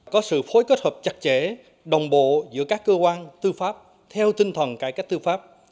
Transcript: có sự phối kết hợp chặt chẽ đồng bộ giữa các cơ quan tư pháp theo tinh thần cải cách tư pháp